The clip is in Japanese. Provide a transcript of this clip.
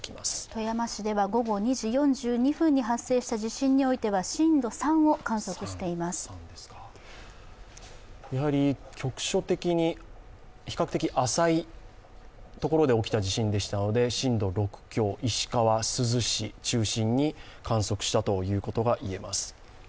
富山市では午後２時４２分に発生した地震においては局所的に比較的浅いところで起きた地震でしたので震度６強、石川・珠洲市中心に観測したということがいえます。